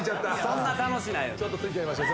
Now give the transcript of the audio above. そんな楽しない。